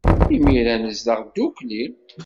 Imir-a, nezdeɣ ddukkli.